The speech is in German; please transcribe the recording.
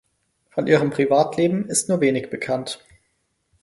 Von ihrem Privatleben ist nur wenig bekannt.